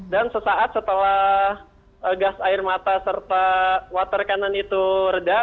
dan sesaat setelah gas air mata serta water cannon itu reda